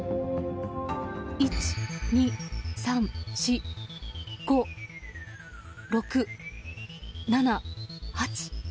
１、２、３、４、５、６、７、８。